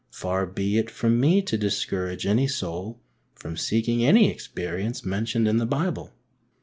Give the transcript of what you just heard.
Far be it from me to discourage any soul from seeking any experience mentioned in the Bible